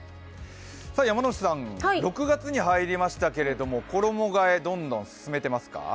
山内さん、６月に入りましたけど衣がえ、どんどん進めてますか？